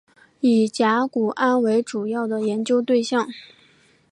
以甲钴胺为主要的研究对象。